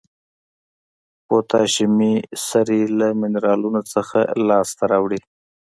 پوتاشیمي سرې له منرالونو څخه لاس ته راوړي.